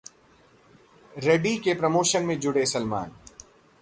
'ready' के promotion में जुटे सलमान